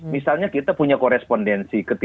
misalnya kita punya korespondensi